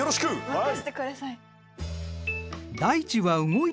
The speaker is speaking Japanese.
任せてください！